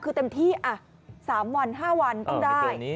คือเต็มที่๓วัน๕วันต้องได้